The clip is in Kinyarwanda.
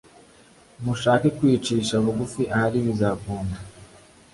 mushake kwicisha bugufi Ahari bizakunda